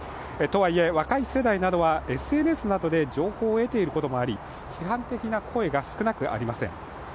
とはいえ、若い世代などはＳＮＳなどで情報を得ていることもあり批判的な声が少なくありません。